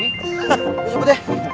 gue cabut ya